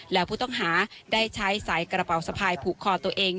แล้วผู้ต้องหาได้ใช้สายกระเป๋าสะพายผูกคอตัวเอง